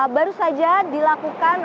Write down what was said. baru saja dilakukan